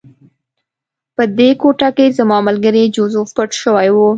په دې کوټه کې زما ملګری جوزف پټ شوی و